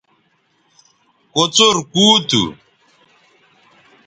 کوڅر کُو تھو